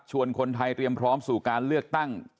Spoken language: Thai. คนไทยเตรียมพร้อมสู่การเลือกตั้ง